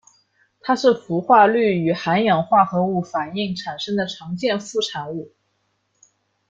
它是氟化氯与含氧化合物反应产生的常见副产物。